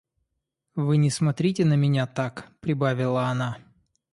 Вы не смотрите на меня так, — прибавила она.